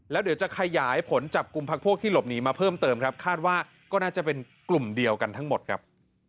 แล้วเดี๋ยวจะขยายผลจับกลุ่มพักพวกที่หลบหนีมาเพิ่มเติมครับคาดว่าก็น่าจะเป็นกลุ่มเดียวกันทั้งหมดครับ